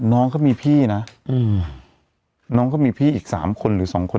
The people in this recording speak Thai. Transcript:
น้องก็มีพี่นะน้องก็มีพี่อีกสามคนหรือสองคน